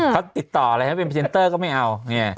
เขาติดต่อเลยถ้าเป็นพิมพ์เจนเตอร์ก็ไม่เอา